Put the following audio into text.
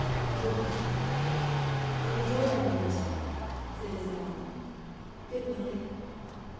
Good bye." "I adore a moat," said Isabel. "Good bye."